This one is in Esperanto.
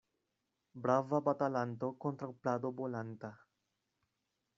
Brava batalanto kontraŭ plado bolanta.